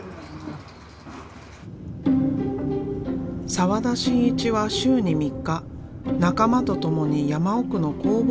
澤田真一は週に３日仲間と共に山奥の工房へと向かう。